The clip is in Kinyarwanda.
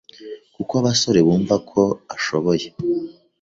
kuko abasore bumvako ashoboye